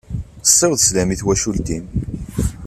Siweḍ sslam i twacult-im.